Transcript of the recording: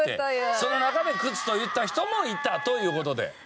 その中で靴と言った人もいたという事で。